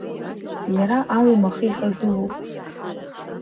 Иара алым ахы ихагылоуп.